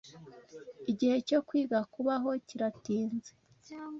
Igihe cyo kwiga kubaho kiratinze